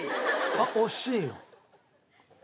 あっ惜しいの？